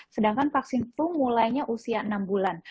sedangkan vaksin flu mulainya usia enam bulan